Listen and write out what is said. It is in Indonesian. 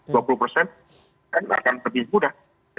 dan akan lebih mudah